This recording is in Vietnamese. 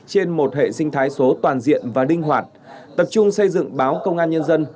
trên một hệ sinh thái số toàn diện và linh hoạt tập trung xây dựng báo công an nhân dân